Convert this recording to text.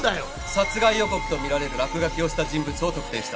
殺害予告とみられる落書きをした人物を特定した。